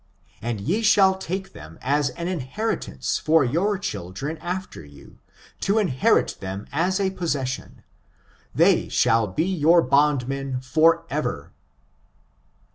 And ye shall take them as an inhcritafice for your children after you, to inherit thr^ni us a possession: they shall be your bond men forever